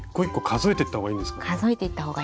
数えていったほうがいいですね。